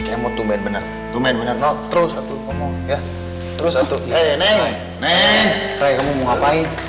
kamu tuh main bener bener terus satu omong ya terus satu eh neng neng kamu mau ngapain